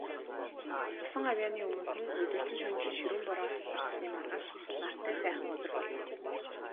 Цусан гавьяаны өмнөхөн, өдөржин, шөнөжин ширүүн бороо асгарсны маргааш нартай сайхан өдөр болов.